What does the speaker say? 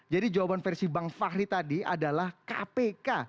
jadi jawaban versi bang fahri tadi adalah kpk